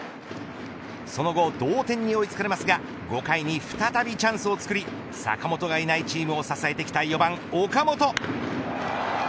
その後同点に追いつかれますが５回に再びチャンスをつくり坂本がいないチームを支えてきた４番、岡本。